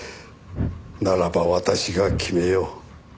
ならば私が決めよう。